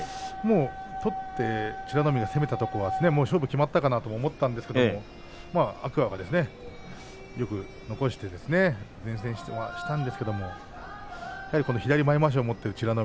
取って攻めたところで勝負は決まったかなと思ったんですが天空海がよく残して善戦したんですが左前まわしを持って美ノ